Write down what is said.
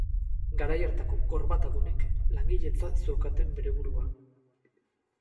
Garai hartako gorbatadunek langiletzat zeukaten bere burua.